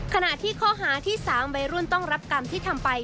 ขณะที่ข้อหาที่๓วัยรุ่นต้องรับกรรมที่ทำไป